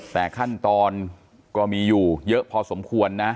แต่ขั้นตอนก็มีอยู่เยอะพอสมควรนะ